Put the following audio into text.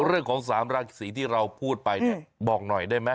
เรื่องของ๓ราศีที่เราพูดไปเนี่ยบอกหน่อยได้ไหม